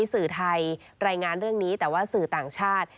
สื่อไทยรายงานเรื่องนี้แต่ว่าสื่อต่างชาติ